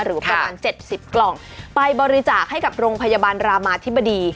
หรือประมาณ๗๐กล่องไปบริจาคให้กับโรงพยาบาลรามาธิบดี